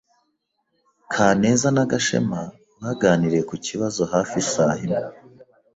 Kaneza na Gashema baganiriye ku kibazo hafi isaha imwe.